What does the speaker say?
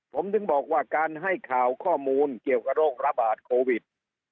ผมถึงบอกว่าการให้ข่าวข้อมูลเกี่ยวกับโรคระบาดโควิด